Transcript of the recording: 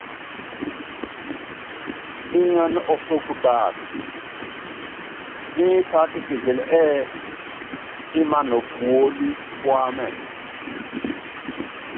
Iŋɛ́nɛ́ ɔsúkɔ taata, mfá kisiili ɛ́ɛ́ ímaná puólí púamɛ.